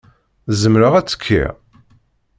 Zemreɣ ad ttekkiɣ?.